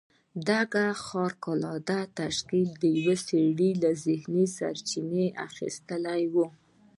دغه خارق العاده تشکيل د يوه سړي له ذهنه سرچينه اخيستې وه.